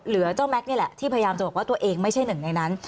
เจ้าแม็กซ์นี่แหละที่พยายามจะบอกว่าตัวเองไม่ใช่หนึ่งในนั้น